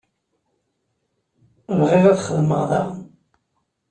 Bɣiɣ ad t-xedmeɣ daɣen.